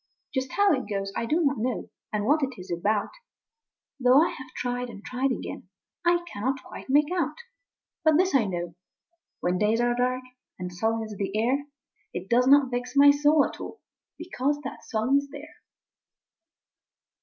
Just how it goes, I do not know ; and what it is about, Though I have tried and tried again I cannot quite make out But this I know : when days are dark, and sullen is the air, It does not vex my soul at all, because that song is there!